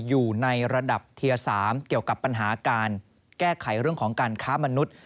อยู่ในระดับเทียร์๓เกี่ยวกับปัญหาการแก้ไขเรื่องของการค้ามนุษย์